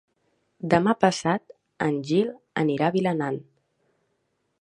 Demà passat en Gil anirà a Vilanant.